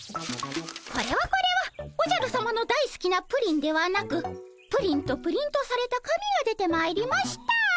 これはこれはおじゃるさまのだいすきなプリンではなく「プリン」とプリントされた紙が出てまいりました。